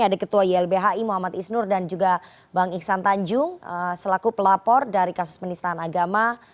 ada ketua ylbhi muhammad isnur dan juga bang iksan tanjung selaku pelapor dari kasus penistaan agama